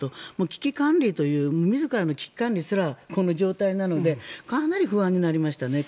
危機管理という自らの危機管理すらこの状態なのでかなり不安になりましたね。